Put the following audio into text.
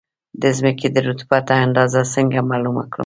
د ځمکې د رطوبت اندازه څنګه معلومه کړم؟